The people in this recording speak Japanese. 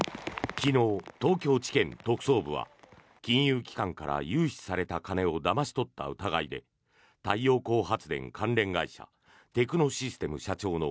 昨日、東京地検特捜部は金融機関から融資された金をだまし取った疑いで太陽光発電関連会社テクノシステム社長の